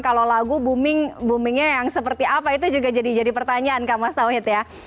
kalau lagu boomingnya yang seperti apa itu juga jadi jadi pertanyaan kak mas tauhid ya